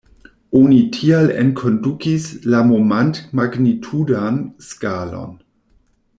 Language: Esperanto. Oni tial enkondukis la Momant-magnitudan skalon.